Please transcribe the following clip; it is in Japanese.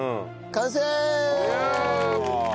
完成！